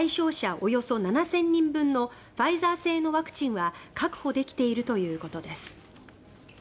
およそ７０００人分のファイザー製のワクチンは確保できているということです。